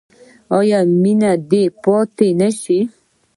آیا مینه دې پاتې نشي؟